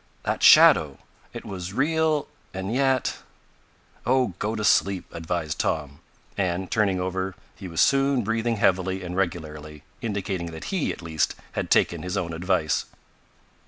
"That shadow. It was real and yet " "Oh, go to sleep!" advised Tom, and, turning over, he was soon breathing heavily and regularly, indicating that he, at least, had taken his own advice.